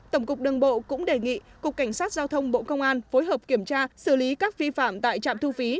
tổng cục đường bộ cũng đề nghị cục cảnh sát giao thông bộ công an phối hợp kiểm tra xử lý các vi phạm tại trạm thu phí